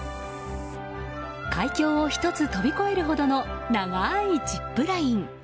海峡を１つ飛び越えるほどの長いジップライン。